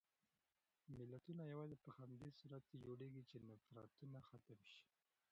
ملتونه یوازې په هغه صورت کې جوړېږي چې نفرتونه ختم شي.